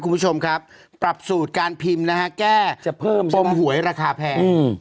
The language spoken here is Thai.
คุณผู้ชมครับปรับสูตรการพิมพ์นะฮะแก้จะเพิ่มปมหวยราคาแพง